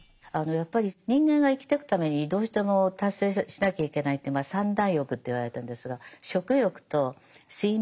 やっぱり人間が生きてくためにどうしても達成しなきゃいけないってまあ三大欲といわれてるんですが食欲と睡眠欲と性欲なんですね。